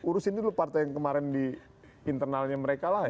urusin dulu partai yang kemarin di internalnya mereka lah